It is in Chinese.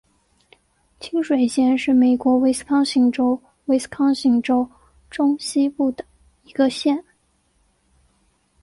清水县是美国威斯康辛州威斯康辛州中西部的一个县。